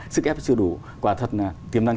sức ép chưa đủ quả thật là tiềm năng